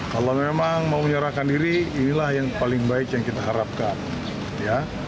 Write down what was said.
kalau memang mau menyerahkan diri inilah yang paling baik yang kita harapkan ya